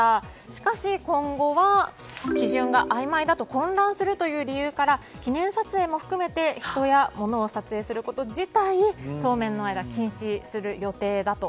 しかし今後は基準があいまいだと混乱するという理由から記念撮影も含めて人や物を撮影すること自体当面の間、禁止する予定だと。